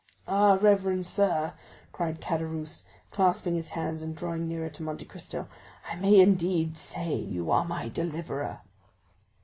"Ah, reverend sir," cried Caderousse, clasping his hands, and drawing nearer to Monte Cristo, "I may indeed say you are my deliverer!"